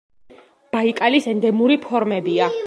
ბაიკალის ენდემური ფორმებია.